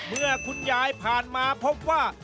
เมื่อคุณยายผ่านมาพบว่า